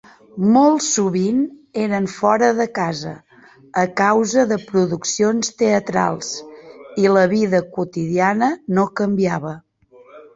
Molt sovint eren fora de casa a causa de produccions teatrals, i la vida quotidiana no canviava.